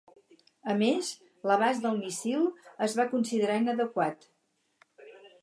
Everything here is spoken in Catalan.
A més, l'abast del míssil es va considerar inadequat.